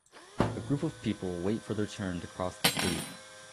A group of people wait for their turn to cross the street